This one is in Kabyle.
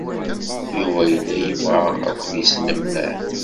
Yuba yella yebɣa ad ken-yesnemmer.